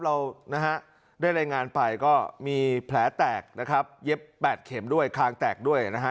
เรานะฮะได้รายงานไปก็มีแผลแตกนะครับเย็บ๘เข็มด้วยคางแตกด้วยนะฮะ